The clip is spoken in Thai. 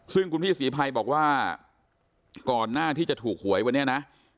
ซึ่งคุณพี่ศรีภัยบอกว่าก่อนหน้าที่จะถูกหวยวันนี้นะ